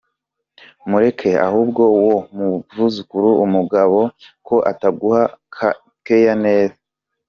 mureke ahub wo bwizuukuri umugabo ko ataguha care neza.